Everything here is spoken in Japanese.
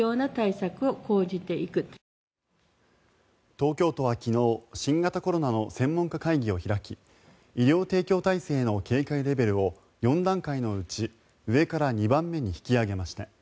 東京都は昨日新型コロナの専門家会議を開き医療提供体制の警戒レベルを４段階のうち上から２番目に引き上げました。